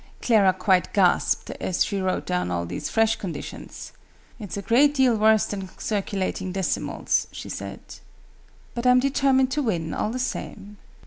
Clara quite gasped as she wrote down all these fresh conditions. "It's a great deal worse than Circulating Decimals!" she said. "But I'm determined to win, all the same!"